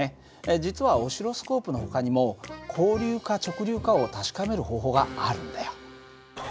実はオシロスコープのほかにも交流か直流かを確かめる方法があるんだよ。